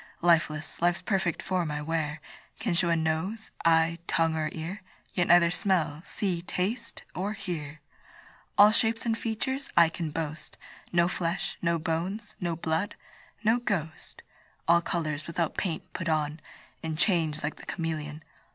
Lifeless, life's perfect form I wear, Can show a nose, eye, tongue, or ear, Yet neither smell, see, taste, or hear. All shapes and features I can boast, No flesh, no bones, no blood no ghost: All colours, without paint, put on, And change like the cameleon.